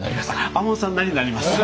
亞門さんなりになります！